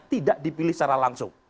tidak dipilih secara langsung